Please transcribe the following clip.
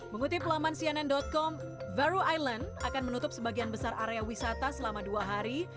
mengutip laman cnn com vero island akan menutup sebagian besar area wisata selama dua hari